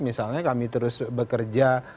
misalnya kami terus bekerja